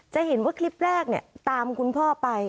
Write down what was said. จะเห็นว่าคลิปแรกเนี่ยตามคุณพ่อไป